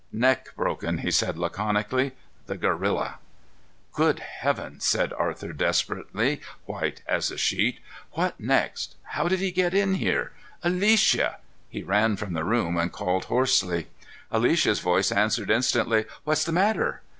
"Neck broken," he said laconically. "The gorilla!" "Great Heaven!" said Arthur desperately, white as a sheet. "What next? How did he get in here? Alicia!" He ran from the room and called hoarsely. Alicia's voice answered instantly. "What's the matter?"